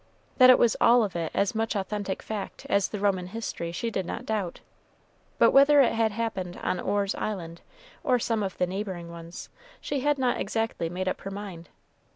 That it was all of it as much authentic fact as the Roman history, she did not doubt, but whether it had happened on Orr's Island or some of the neighboring ones, she had not exactly made up her mind.